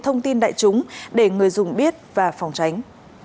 thông tin đại chúng để người dùng biết và phòng tránh